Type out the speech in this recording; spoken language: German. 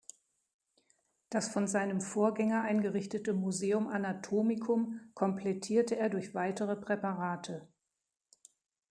Das von seinem Vorgänger eingerichtete Museum anatomicum komplettierte er durch weitere Präparate.